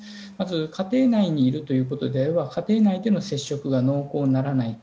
家庭内でいるということであれば家庭内での接触が濃厚にならないか。